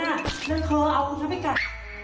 ถ้าไม่มีองค์เท้าแล้วก็เดินไม่ได้